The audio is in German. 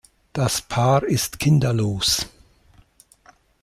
Das Paar ist kinderlos.